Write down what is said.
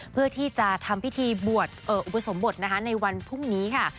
เพื่อที่จะทำพิธีบวชอุปสมบทนะคะในวันพรุ่งนี้ค่ะ